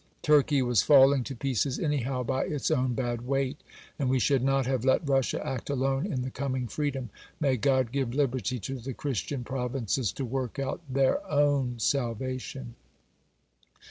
Turkey was falling to pieces anyhow by its own bad weight; and we should not have let Russia act alone in the coming freedom. May God give liberty to the Christian provinces to work out their own salvation!